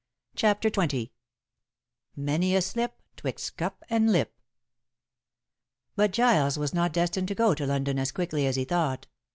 CHAPTER XX MANY A SLIP 'TWIXT CUP AND LIP But Giles was not destined to go to London as quickly as he thought.